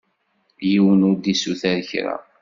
Yiwen ur d-isuter kra.